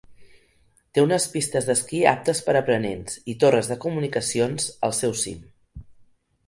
Té unes pistes d'esquí aptes per a aprenents i torres de comunicacions al seu cim.